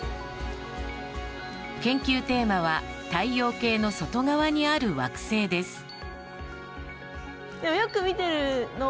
研究テーマは太陽系の外側にある惑星です。